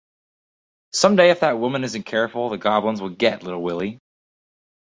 Some day if that woman isn't careful the goblins will get little Willie.